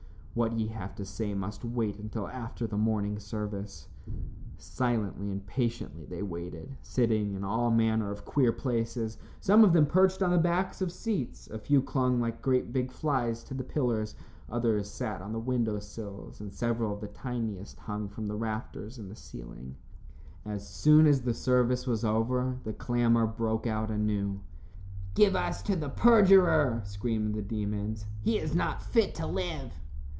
What ye have to say must wait until after the morning service." Silently and patiently they waited, sitting in all manner of queer places. Some of them perched on the backs of the seats, a few clung like great big flies to the pillars, others sat on the window sills, and several of the tiniest hung from the rafters in the ceiling. As soon as the service was over, the clamor broke out anew. "Give to us the perjurer," screamed the demons. "He is not fit to live."